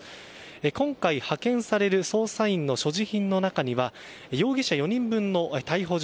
今回、派遣される捜査員の所持品の中には容疑者４人分の逮捕状。